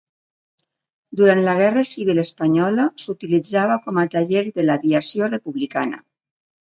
Durant la Guerra Civil espanyola s'utilitzava com a taller de l'aviació republicana.